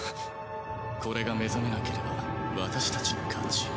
これが目覚めなければ私たちの勝ち。